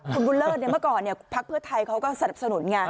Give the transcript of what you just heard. คุณบุญเลิศเมื่อก่อนพักเพื่อไทยเขาก็สนับสนุนไง